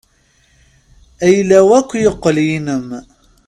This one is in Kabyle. Ayla-w akk yeqqel yinem.